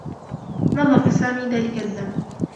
نظّف سامي ذلك الدّم.